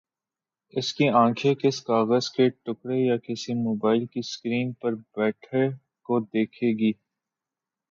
اس کے آنکھیں کسی کاغذ کے ٹکڑے یا کسی موبائل کی سکرین پر بیٹے کو دیکھیں گی۔